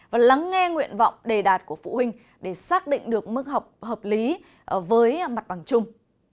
và lắng nghe nguyện vọng đề đạt của phụ huynh để xác định được mức học hợp lý với mặt bằng chung